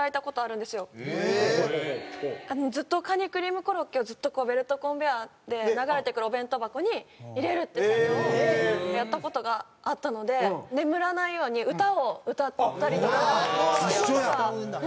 ずっとカニクリームコロッケをずっとこうベルトコンベヤーで流れてくるお弁当箱に入れるって作業をやった事があったので眠らないように歌を歌ったりとかはしてました。